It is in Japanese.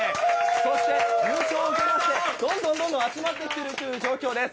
そして、優勝を祝ってどんどん集まっているという状況です。